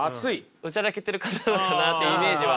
おちゃらけてる方なのかなってイメージは。